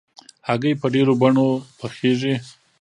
هګۍ په ډېرو بڼو پخېږي.